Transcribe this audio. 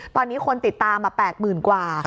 ตอนนี้คนติดตามแปลกหมื่นกว่า